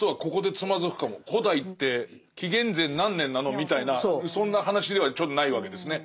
「古代」って紀元前何年なのみたいなそんな話ではちょっとないわけですね。